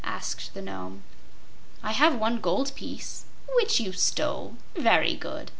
asked the Nome. "I have one gold piece." "Which you stole. Very good.